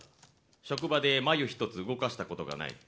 職場で眉一つ動かしたことがない。